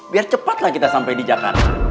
biar cepatlah kita sampai di jakarta